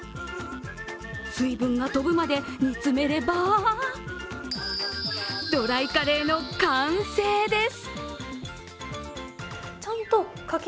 水分が飛ぶまで煮詰めればドライカレーの完成です。